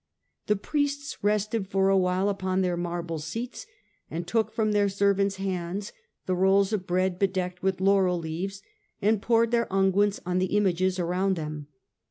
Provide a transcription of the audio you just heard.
The priests rested for a while upon their marble seats, and took from their servants' hands the rolls of bread bedecked with laurel leaves, and poured their unguents on the images around them.